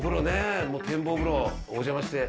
お邪魔して。